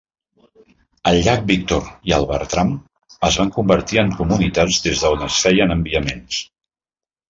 El llac Víctor i el Bertram es van convertir en comunitats des d'on es feien enviaments.